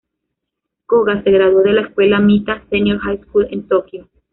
Kōga se graduó de la escuela Mita Senior High School en Tokio.